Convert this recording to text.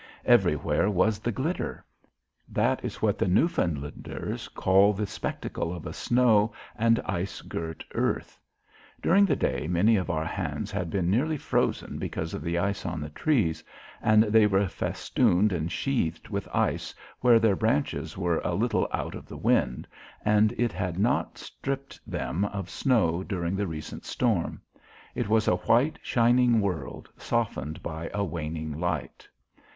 Everywhere was the glitter. That is what the Newfoundlanders call the spectacle of a snow and icegirt earth. During the day many of our hands had been nearly frozen because of the ice on the trees and they were festooned and sheathed with ice where their branches were a little out of the wind and it had not stripped them of snow during the recent storm. It was a white, shining world, softened by a waning light.